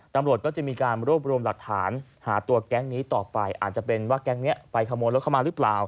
ตำรวจก็จะมีการรวบรวมหลักฐานหาตัวแก๊งนี้ต่อไปอาจจะเป็นว่าแก๊งนี้ไปขโมยรถเข้ามาหรือเปล่า